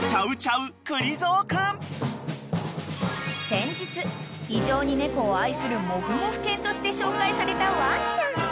［先日異常に猫を愛するモフモフ犬として紹介されたワンちゃん］